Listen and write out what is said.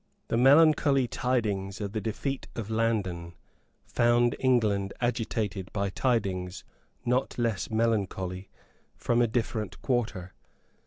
The melancholy tidings of the defeat of Landen found England agitated by tidings not less melancholy from a different quarter.